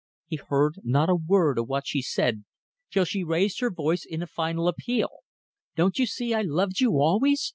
He heard not a word of what she said till she raised her voice in a final appeal "... Don't you see I loved you always?